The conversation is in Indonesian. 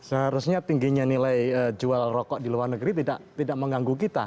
seharusnya tingginya nilai jual rokok di luar negeri tidak mengganggu kita